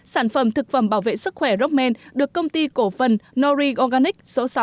sản phẩm thực phẩm bảo vệ sức khỏe rockman được công ty cổ phần nori organic số sáu